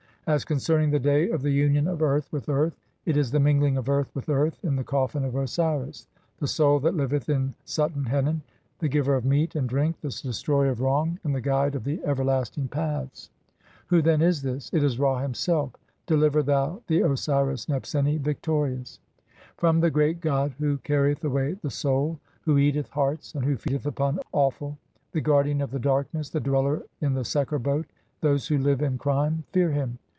As concerning the "day of the union of earth with earth", it is the mingling of earth with earth in the coffin of Osiris, the Soul that liveth in Suten henen, the giver of meat and drink, the destroyer of wrong, and the guide of the ever lasting paths. Who then is this? It is Ra himself. "Deliver thou the Osiris Nebseni, victorious," [The following lines are from the Papyrus of Ani (Brit. Mus. No. 10,470, sheet 10, 1. 7 ff.).] "(11 3) from the great god who carrieth away the soul, who eateth "hearts, and who feedeth upon (114) offal, the guardian of the "darkness, the dweller in the Seker boat ; those who live in "crime fear him."